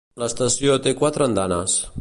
L'estació té quatre andanes.